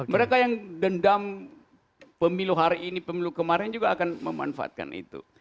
mereka yang dendam pemilu hari ini pemilu kemarin juga akan memanfaatkan itu